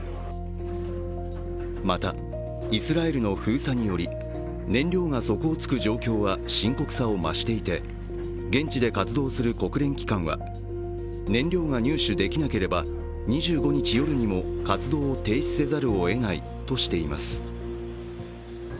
また、イスラエルの封鎖により燃料が底をつく状況は深刻さを増していて現地で活動する国連機関は燃料が入手できなければ２５日夜にも活動を停止せざるをえないとしています。